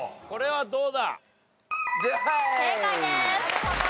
これはどうだ？